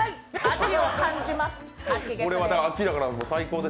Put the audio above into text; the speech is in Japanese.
秋を感じます。